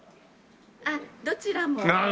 あっどちらも。